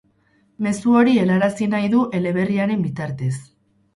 Mezu hori helarazi nahi du eleberriaren bitartez.